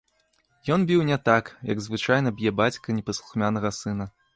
Ён біў не так, як звычайна б'е бацька непаслухмянага сына.